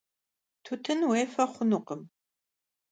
Tutın vuêfe xhunukhım.